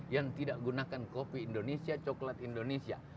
yang tidak gunakan kopi indonesia coklat indonesia